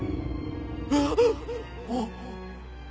あっ！